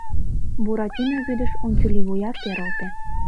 Буратино вӱдыш унчыливуя керылте.